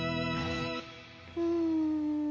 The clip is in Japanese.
うん。